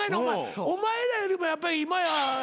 お前らよりもやっぱり今や。